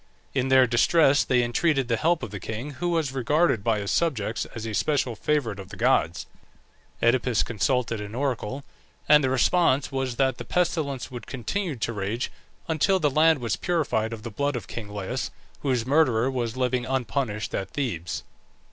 In their distress they entreated the help of the king, who was regarded by his subjects as a special favourite of the gods. Oedipus consulted an oracle, and the response was that the pestilence would continue to rage until the land was purified of the blood of king Laius, whose murderer was living unpunished at Thebes.